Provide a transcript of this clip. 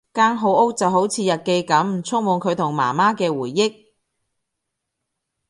間好屋就好似日記噉，充滿佢同媽媽嘅回憶